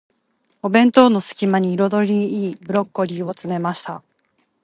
お弁当の隙間に、彩りの良いブロッコリーを詰めました。